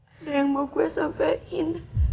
ada yang mau gue sapa in